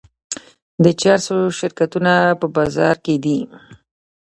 د چرسو شرکتونه په بازار کې دي.